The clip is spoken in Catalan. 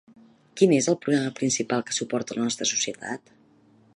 Quin és el problema principal que suporta la nostra societat?